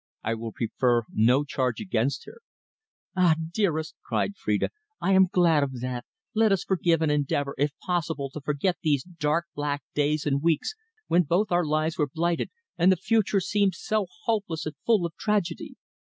I will prefer no charge against her." "Ah! dearest," cried Phrida, "I am glad of that. Let us forgive, and endeavour, if possible, to forget these dark, black days and weeks when both our lives were blighted, and the future seemed so hopeless and full of tragedy."